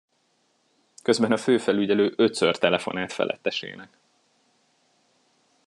Közben a főfelügyelő ötször telefonált felettesének.